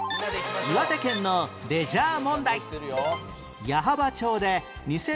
岩手県のレジャー問題